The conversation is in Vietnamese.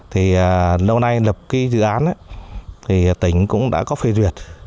thì lâu nay lập cái dự án thì tỉnh cũng đã có phê duyệt